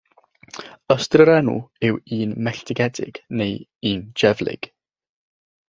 Ystyr yr enw yw "un melltigedig" neu "un dieflig".